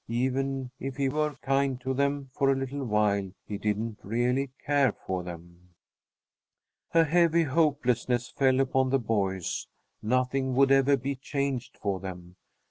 Even if he were kind to them for a little while, he didn't really care for them. A heavy hopelessness fell upon the boys; nothing would ever be changed for them.